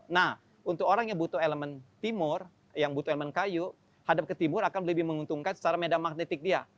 nah untuk orang yang butuh elemen timur yang butuh elemen kayu hadap ke timur akan lebih menguntungkan secara medan magnetik dia